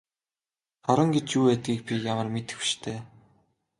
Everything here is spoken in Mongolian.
Шорон гэж юу байдгийг би ямар мэдэхгүй биш дээ.